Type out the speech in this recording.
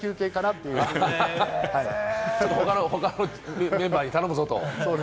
はい、他のメンバーに頼むぞと。